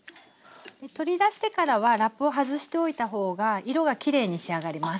取り出してからはラップを外しておいた方が色がきれいに仕上がります。